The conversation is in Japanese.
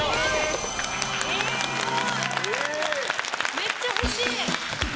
めっちゃ欲しい！